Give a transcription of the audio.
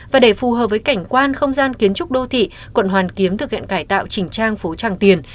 và để phù hợp với cảnh quan không gian kiến trúc đô thị quận hoàn kiếm thực hiện cải tạo chỉnh trang phố tràng tiền